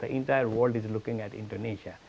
seperti seluruh dunia melihat indonesia